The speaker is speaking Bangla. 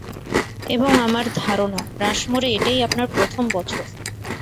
এবং আমার ধারনা রাশমোরে এটাই আপনার প্রথম বছর।